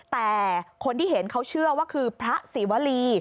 แต่คนที่เห็นเขาเชื่อว่าคือพระศรีวรี